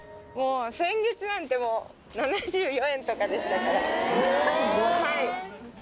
先月なんてもう７４円とかでしたから。